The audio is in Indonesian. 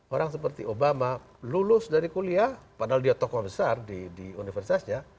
orang seperti obama lulus dari kuliah padahal dia tokoh besar di universitasnya